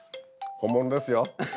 本物ですよ。